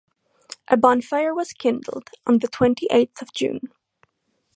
A bonfire was kindled on the twenty-eighth of June.